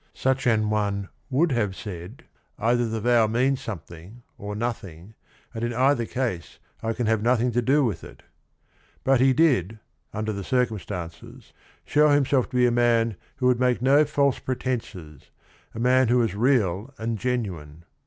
Such an one would have said "either the vow means some thing or nothing and in either case I can have nothing to do with it." But he did, under the circumstances, show himself to be a man who would make no false pretences, a man who was real and genuine.